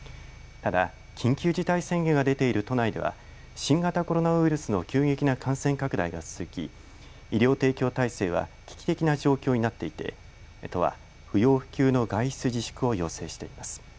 ただ、緊急事態宣言が出ている都内では新型コロナウイルスの急激な感染拡大が続き医療提供体制は危機的な状況になっていて都は不要不急の外出自粛を要請しています。